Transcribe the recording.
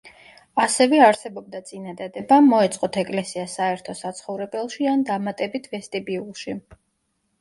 ასევე არსებობდა წინადადება მოეწყოთ ეკლესია საერთო საცხოვრებელში ან დამატებით ვესტიბიულში.